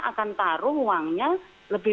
akan taruh uangnya lebih